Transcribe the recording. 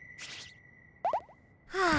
はあ。